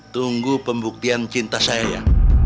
tunggu pembuktian cinta saya